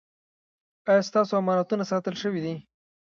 ایا ستاسو امانتونه ساتل شوي دي؟